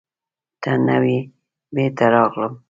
ته نه وې، بېرته راغلم.